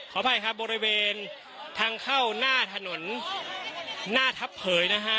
อภัยครับบริเวณทางเข้าหน้าถนนหน้าทัพเผยนะฮะ